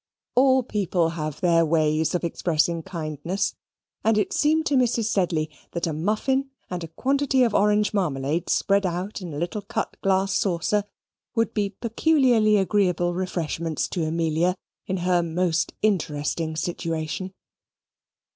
All people have their ways of expressing kindness, and it seemed to Mrs. Sedley that a muffin and a quantity of orange marmalade spread out in a little cut glass saucer would be peculiarly agreeable refreshments to Amelia in her most interesting situation.